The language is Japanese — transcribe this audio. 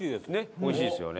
美味しいですよね。